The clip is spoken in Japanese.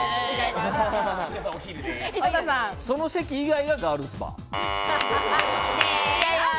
その席以外が、ガールズバー。